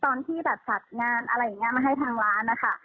ตอนที่แบบจัดงานอะไรอย่างนี้มาให้ทางร้านนะคะ